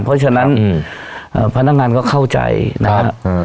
เพราะฉะนั้นพนักงานก็เข้าใจนะครับ